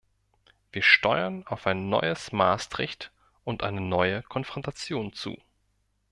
Wir steuern auf ein "neues Maastricht" und eine neue Konfrontation zu.